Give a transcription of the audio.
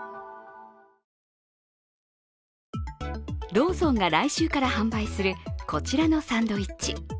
ローソンが来週から発売するこちらのサンドイッチ。